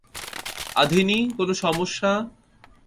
আধিনি, কোনো সমস্যা?